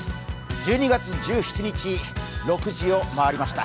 １２月１７日、６時を回りました。